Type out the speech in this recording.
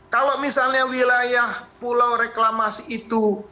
kalau misalnya wilayah pulau reklamasi itu